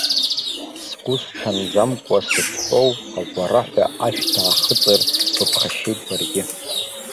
Сгәы сҽанӡамкәа сыштәоу агәараҳәа ашә даахыҵыр, быԥхашьеит баргьы.